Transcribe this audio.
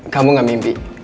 kamu gak mimpi